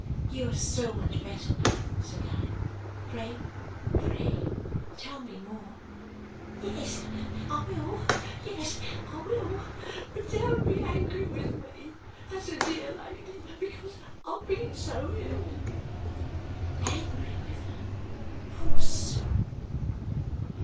"You are so much better now," sald I. "Pray, pray tell me more." "Yes I will, yes I will! But don't be angry with me, that's a dear lady, because I have been so ill." Angry with her, poor soul!